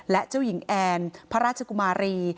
และเจ้าหญิงแอนพระราชกุมารี